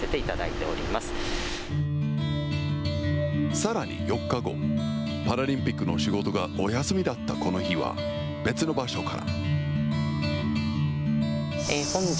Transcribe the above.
さらに４日後、パラリンピックの仕事がお休みだったこの日は、別の場所から。